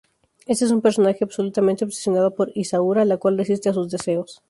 Este es un personaje absolutamente obsesionado por Isaura, la cual resiste a sus deseos.